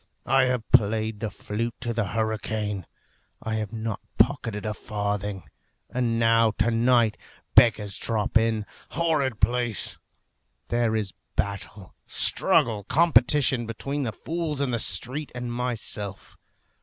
I have played the flute to the hurricane. I have not pocketed a farthing; and now, to night, beggars drop in. Horrid place! There is battle, struggle, competition between the fools in the street and myself.